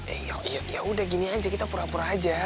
eh yaudah gini aja kita pura dua aja